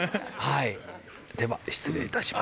では、失礼いたします。